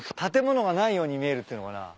建物がないように見えるっていうのかな。